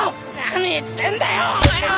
何言ってんだよお前は！